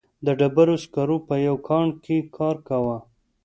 د ډبرو سکرو په یوه کان کې کار کاوه.